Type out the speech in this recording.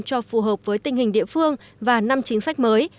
cho phù hợp với tình hình địa phương và năm chính sách mới